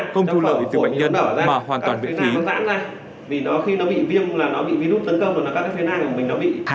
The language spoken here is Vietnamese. không thu lợi từ bệnh nhân mà hoàn toàn bệnh phí